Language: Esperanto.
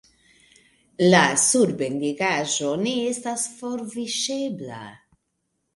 La surbendigaĵo ne estas forviŝebla.